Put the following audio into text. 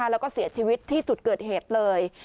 แล้วก็เสียชีวิตที่จุดเกิดเหตุเลย